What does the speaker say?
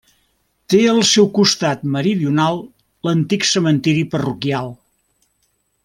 Té al seu costat meridional l'antic cementiri parroquial.